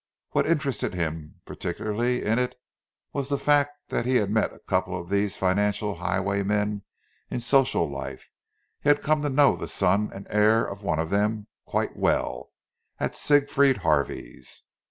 What interested him particularly in it was the fact that he had met a couple of these financial highwaymen in social life; he had come to know the son and heir of one of them quite well, at Siegfried Harvey's.